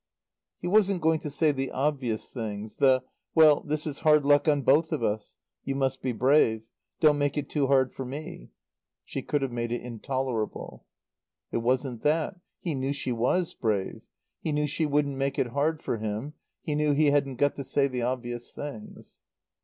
He wasn't going to say the obvious things, the "Well, this is hard luck on both of us. You must be brave. Don't make it too hard for me." (She could have made it intolerable.) It wasn't that. He knew she was brave; he knew she wouldn't make it hard for him; he knew he hadn't got to say the obvious things.